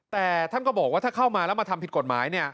แต่ท่านก็บอกว่าถ้าเข้ามาแล้วมาทำผิดกฎหมาย